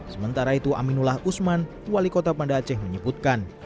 sementara itu aminullah usman wali kota banda aceh menyebutkan